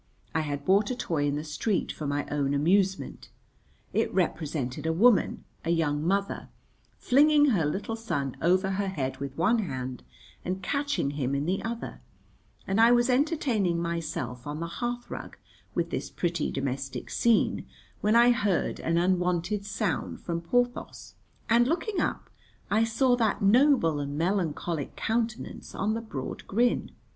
I had bought a toy in the street for my own amusement. It represented a woman, a young mother, flinging her little son over her head with one hand and catching him in the other, and I was entertaining myself on the hearth rug with this pretty domestic scene when I heard an unwonted sound from Porthos, and, looking up, I saw that noble and melancholic countenance on the broad grin.